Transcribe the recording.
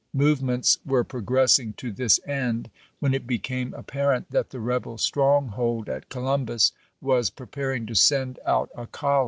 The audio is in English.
Movements were progressing to this end when it became apparent that the rebel stronghold at Columbus was preparing to send out a column.